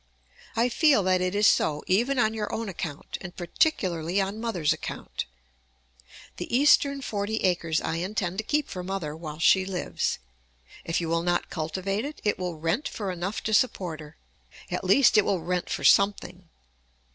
I feel that it is so even on your own account, and particularly on mother's account. The eastern forty acres I intend to keep for mother while she lives; if you will not cultivate it, it will rent for enough to support her; at least, it will rent for something.